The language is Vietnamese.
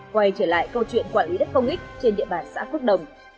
quay trở lại câu chuyện quản lý đất công ích trên địa bàn xã phước đồng